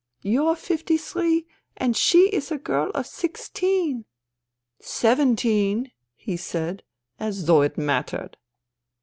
' You're fifty three and she is a girl of sixteen.' "' Seventeen,^ he said, as though it mattered.